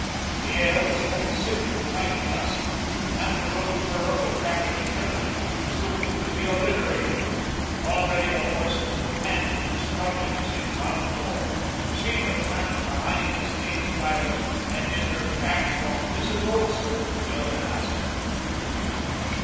The air was full of sifted white dust, and the road furrow was rapidly filling. Soon it would be obliterated. Already the horses were panting and struggling as they ploughed forward. Sheba tramped behind the stage driver and in her tracks walked Mrs. Olson, the other passenger.